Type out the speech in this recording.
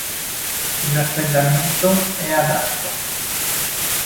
Il raffreddamento è ad acqua.